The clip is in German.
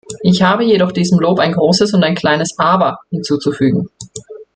Ich habe jedoch diesem Lob ein großes und ein kleines "aber" hinzuzufügen.